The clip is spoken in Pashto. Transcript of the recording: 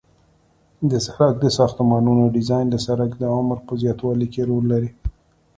د سرک د ساختمانونو ډیزاین د سرک د عمر په زیاتوالي کې رول لري